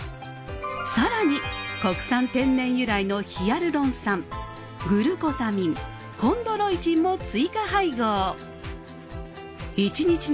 更に国産天然由来のヒアルロン酸グルコサミンコンドロイチンも追加配合。